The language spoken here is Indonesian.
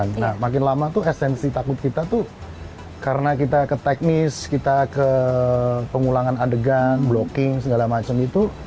nah makin lama tuh esensi takut kita tuh karena kita ke teknis kita ke pengulangan adegan blocking segala macam itu